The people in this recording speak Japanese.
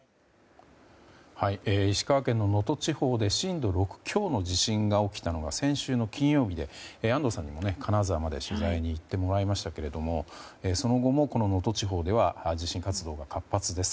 石川県の能登地方で震度６強の地震が起きたのが先週の金曜日で安藤さんにも金沢まで取材に行ってもらいましたけれどその後も能登地方では地震活動が活発です。